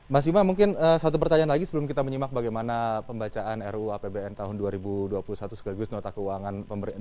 mas bima mungkin satu pertanyaan lagi sebelum kita menyimak bagaimana pembacaan ruu apbn tahun dua ribu dua puluh satu sekaligus nota keuangan